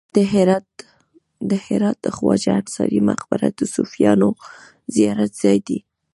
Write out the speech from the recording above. د هرات د خواجه انصاري مقبره د صوفیانو زیارت ځای دی